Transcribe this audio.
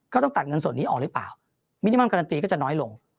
ต้องตัดเงินส่วนนี้ออกหรือเปล่ามินิมังการันตีก็จะน้อยลง